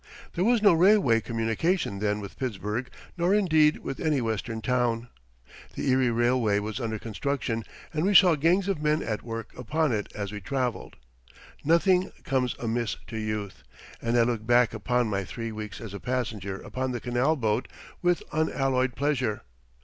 There was no railway communication then with Pittsburgh, nor indeed with any western town. The Erie Railway was under construction and we saw gangs of men at work upon it as we traveled. Nothing comes amiss to youth, and I look back upon my three weeks as a passenger upon the canal boat with unalloyed pleasure.